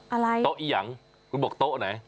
โต๊ะอียังคุณบอกโต๊ะไหน